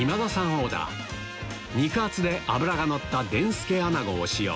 オーダー肉厚で脂がのった伝助穴子を使用